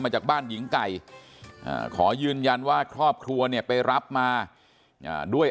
จากบ้านหญิงไก่ขอยืนยันว่าครอบครัวเนี่ยไปรับมาด้วย